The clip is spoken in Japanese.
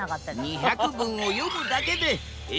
２００文を読むだけでえ！？